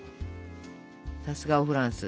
さすがおフランス。